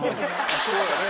そうやね。